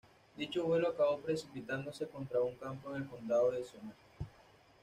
Dicho vuelo acabó precipitándose contra un campo en el condado de Somerset.